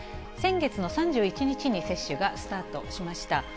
先月の３１日に接種がスタートしました。